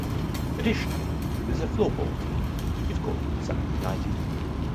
Additionally there is a floorball team, it's called Zug United.